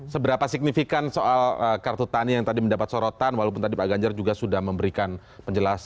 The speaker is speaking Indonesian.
seberapa signifikan soal kartu tani yang tadi mendapat sorotan walaupun tadi pak ganjar juga sudah memberikan penjelasan